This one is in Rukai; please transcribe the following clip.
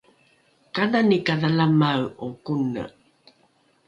kanani kadhalamae’o kone